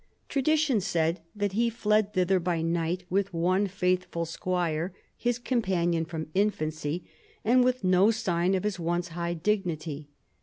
Tradition said that he fled thither by night, with one faithful squire, his^ companion from infancy, and with no sign of his once high dignity.